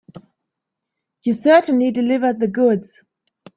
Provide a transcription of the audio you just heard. You certainly delivered the goods.